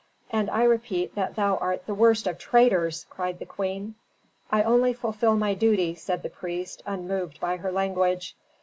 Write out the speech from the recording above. "And I repeat that thou art the worst of traitors!" cried the queen. "I only fulfil my duty," said the priest, unmoved by her language.